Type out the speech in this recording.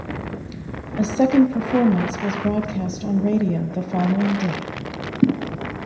A second performance was broadcast on radio the following day.